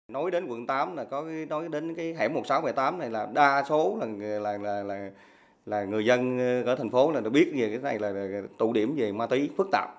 nói đến quận tám nói đến hẻm một mươi sáu một mươi tám này là đa số là người dân ở thành phố đã biết về cái này là tụ điểm về ma túy phức tạp